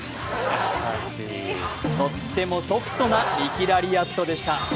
とってもソフトなリキ・ラリアットでした。